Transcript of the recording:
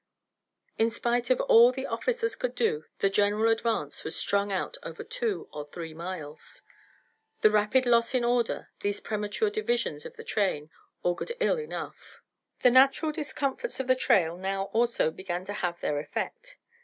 In spite of all the officers could do, the general advance was strung out over two or three miles. The rapid loss in order, these premature divisions of the train, augured ill enough. The natural discomforts of the trail now also began to have their effect.